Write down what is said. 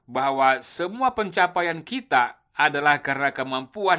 bahwa semua pencapaian kita adalah karena kemampuan